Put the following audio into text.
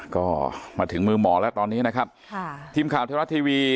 ก็มาถึงมือหมอแล้วตอนนี้นะครับค่ะทีมข่าวเทวรัฐทีวี